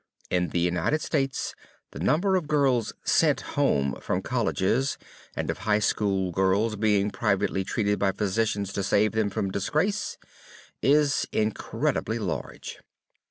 In the United States the number of girls "sent home" from colleges, and of high school girls being privately treated by physicians to save them from disgrace, is incredibly large.